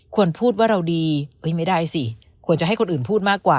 ควรพูดว่าเราดีไม่ได้สิควรจะให้คนอื่นพูดมากกว่า